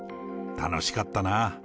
楽しかったなぁ。